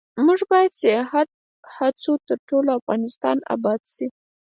موږ باید سیاحت هڅوو ، ترڅو افغانستان اباد شي.